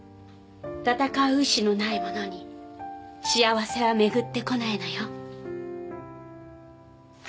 戦う意思のない者に幸せは巡ってこないのよ。